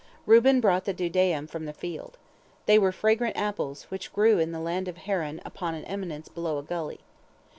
Reuben brought the dudaim from the field. They were fragrant apples, which grew in the land of Haran upon an eminence below a gully.